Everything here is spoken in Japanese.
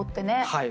はい。